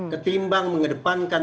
ketimbang mengedepankan loyalkan